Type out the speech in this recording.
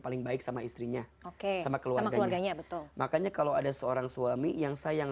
paling baik sama istrinya oke sama keluarganya ya betul makanya kalau ada seorang suami yang sayang